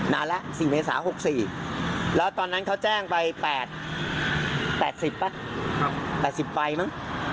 นานแล้วสี่เมษาหกสี่แล้วตอนนั้นเขาแจ้งไปแปดแปดสิบปะครับแปดสิบไฟมั้ง